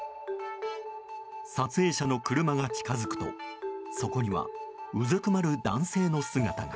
撮影者の車が近づくとそこにはうずくまる男性の姿が。